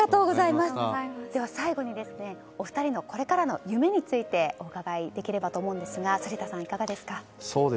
では、最後にお二人のこれからの夢についてお伺いできればと思うんですが反田さん、いかがですか。